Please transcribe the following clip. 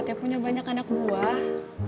dia punya banyak anak buah